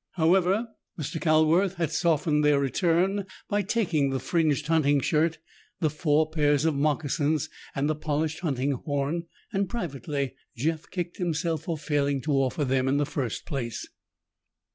However, Mr. Calworth had softened their return by taking the fringed hunting shirt, the four pairs of moccasins and the polished hunting horn, and privately Jeff kicked himself for failing to offer them in the first place.